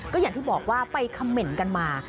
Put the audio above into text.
ก็อย่างที่บอกว่าไปเขม่นกันมา